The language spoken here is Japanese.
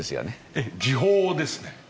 ええ時報ですね。